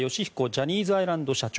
ジャニーズアイランド社長